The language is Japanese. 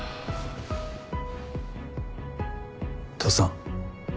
父さん。